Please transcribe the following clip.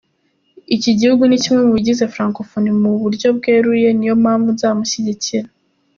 Iki gihugu ni kimwe mu bigize Francophonie mu buryo bweruye… ni yo mpamvu nzamushyigikira.”